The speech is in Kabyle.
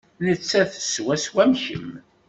Nettat swaswa am kemm.